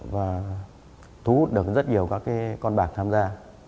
và thu hút được rất nhiều các con bạc tham gia